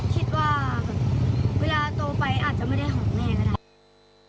คิดว่าเวลาโตไปอาจจะไม่ได้หอมแม่ก็ได้